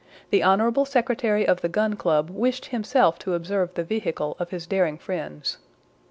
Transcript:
The honorable secretary of the Gun Club wished himself to observe the vehicle of his daring friends.